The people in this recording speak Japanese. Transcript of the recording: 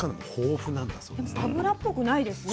でも脂っぽくないですね。